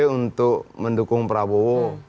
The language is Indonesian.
untuk mendukung prabowo